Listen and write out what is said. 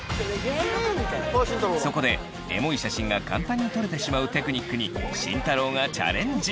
そこでエモい写真が簡単に撮れてしまうテクニックに慎太郎がチャレンジ！